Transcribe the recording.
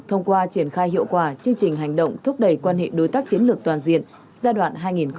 thông qua triển khai hiệu quả chương trình hành động thúc đẩy quan hệ đối tác chiến lược toàn diện giai đoạn hai nghìn hai mươi một hai nghìn hai mươi ba